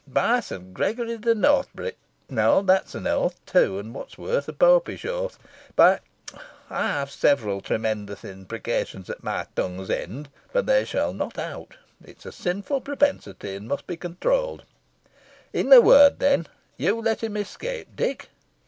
By Saint Gregory de Northbury! no, that's an oath too, and, what is worse, a Popish oath. By I have several tremendous imprecations at my tongue's end, but they shall not out. It is a sinful propensity, and must be controlled. In a word, then, you let him escape, Dick?"